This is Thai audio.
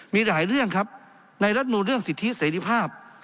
มีหลายเรื่องครับในรัฐมนูลเรื่องสิทธิเสรีภาพ